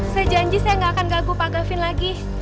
saya janji saya gak akan ganggu pak gafin lagi